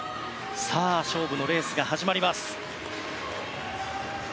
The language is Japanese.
さあ、勝負のレースが始まります。